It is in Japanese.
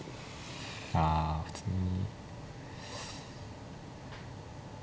あ普通に。